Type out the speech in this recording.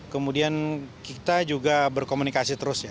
kemudian kita juga berkomunikasi terus ya